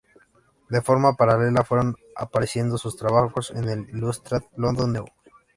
De forma paralela fueron apareciendo sus trabajos en el Illustrated London News.